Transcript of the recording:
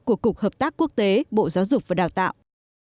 của cục hợp tác quốc tế bộ giáo dục và đào tạo